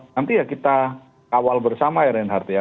nanti ya kita kawal bersama ya reinhardt ya